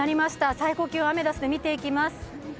最高気温、アメダスで見ていきます。